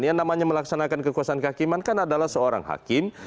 yang namanya melaksanakan kekuasaan kehakiman kan adalah seorang hakim